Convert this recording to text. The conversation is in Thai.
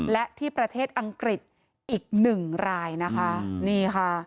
และที่ประเทศอังกฤษอีก๑รายนะคะ